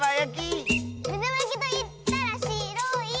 「めだまやきといったらしろい！」